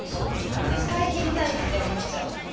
使い切りたいって思っちゃう。